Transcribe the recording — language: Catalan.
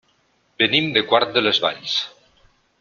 Venim de Quart de les Valls.